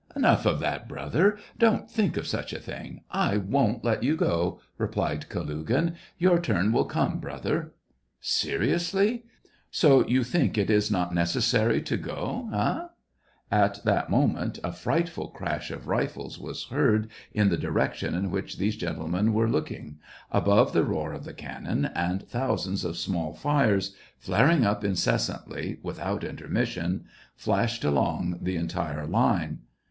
" Enough of that, brother ! Don't think of such a thing ! I won't let you go !" replied Ka lugin. " Your turn will come, brother !"Seriously t So you think that it is not neces sary to go t Hey.!* ..." At that moment, a frightful crash of rifles was heard in the direction in which these gentlemen were looking, above the roar of the cannon, and thousands of small fires, flaring up incessantly, without intermission, flashed along the entire line.